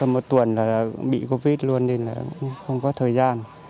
một tuần là bị covid luôn nên là không có thời gian